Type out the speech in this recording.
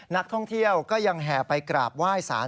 นักท่องเที่ยวก็ยังแห่ไปกราบไหว้สาร